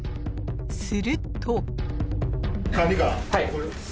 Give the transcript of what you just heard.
［すると］